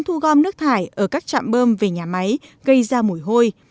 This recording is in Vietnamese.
hệ thống thu gom nước thải ở các trạm bơm về nhà máy gây ra mùi hôi